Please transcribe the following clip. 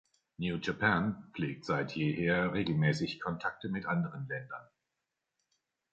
New Japan pflegt seit jeher regelmäßig Kontakte mit anderen Ländern.